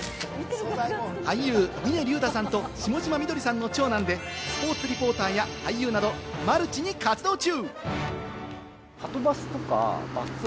俳優・峰竜太さんと下嶋美どりさんの長男で、スポーツリポーターや俳優など、マルチに活動中。